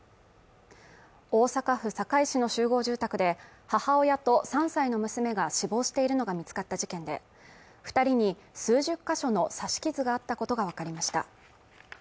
大阪府堺市の集合住宅で母親と３歳の娘が死亡しているのが見つかった事件で二人に数十か所の刺し傷があったことが分かりました